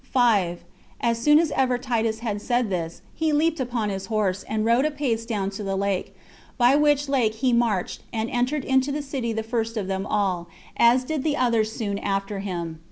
5. As soon as ever Titus had said this, he leaped upon his horse, and rode apace down to the lake; by which lake he marched, and entered into the city the first of them all, as did the others soon after him.